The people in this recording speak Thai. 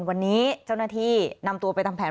วันนี้เจ้าหน้าที่นำตัวไปทำแผน